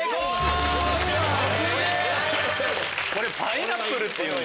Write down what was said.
これパイナップルっていうんだ。